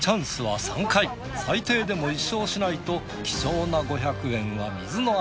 最低でも１勝しないと貴重な５００円は水の泡。